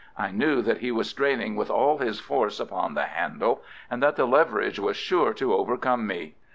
I knew that he was straining with all his force upon the handle, and that the leverage was sure to overcome me.